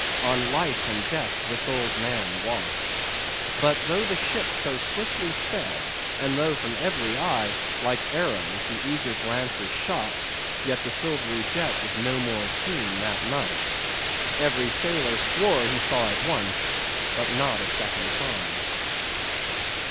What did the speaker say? On life and death this old man walked. But though the ship so swiftly sped, and though from every eye, like arrows, the eager glances shot, yet the silvery jet was no more seen that night. Every sailor swore he saw it once, but not a second time.